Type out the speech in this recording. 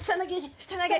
下投げで。